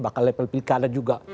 bahkan level pik ada juga